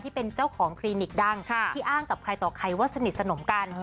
ที่เป็นเจ้าของคลินิกดังที่อ้างกับใครต่อใครว่าสนิทสนมกัน